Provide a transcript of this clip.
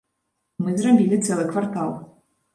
Мы зрабілі цэлы квартал.